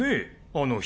あの人。